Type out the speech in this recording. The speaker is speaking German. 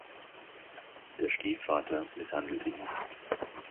Der Stiefvater misshandelte ihn.